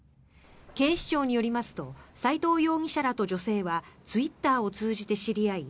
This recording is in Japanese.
警視庁によりますと斎藤容疑者らと女性はツイッターを通じて知り合い